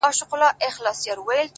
ما درمل راوړه ما په سونډو باندې ووهله;